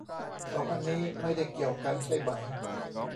สองอันนี้ไม่ได้เกี่ยวกันใช่ไหม